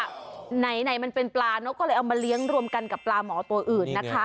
ทิ้งปลาเป็นก็หลวมกันกับปลาหมอตัวอื่น